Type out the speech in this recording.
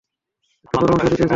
একটা পরামর্শ দিতে চাই।